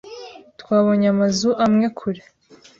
Twabonye amazu amwe kure.